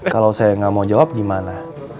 kalau saya nggak mau jawab gimana